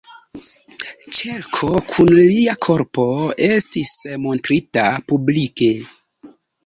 Ĉerko kun lia korpo estis montrita publike.